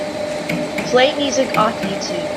Play music off Youtube.